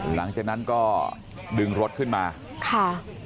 หลังจากนั้นก็ดึงรถขึ้นมาค่ะ